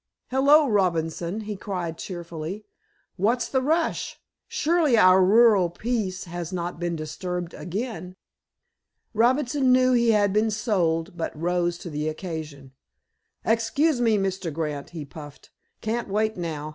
"Hello, Robinson!" he cried cheerfully. "What's the rush? Surely our rural peace has not been disturbed again?" Robinson knew he had been "sold," but rose to the occasion. "Excuse me, Mr. Grant," he puffed. "Can't wait now.